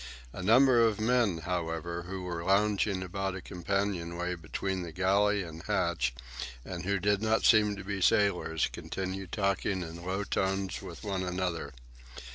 A number of men, however, who were lounging about a companion way between the galley and hatch, and who did not seem to be sailors, continued talking in low tones with one another.